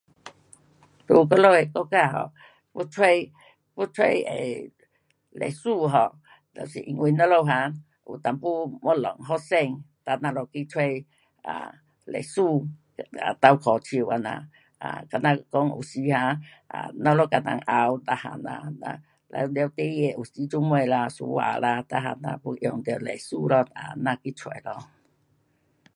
在我们的国家 um 要找，要找 um 律师 um 就是因为我们哈有一点东西发生哒我们去找 um 律师 um 倒脚手这样，um 比如讲有时哈 um 我们跟人吵全部啦了，哒事情有时做么啦吵架每样有用到律师咯哒咱去找咯。